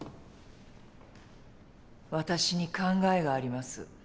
私に考えがあります。